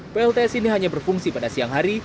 plts ini hanya berfungsi pada siang hari